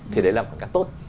thì đấy là khoảnh khắc tốt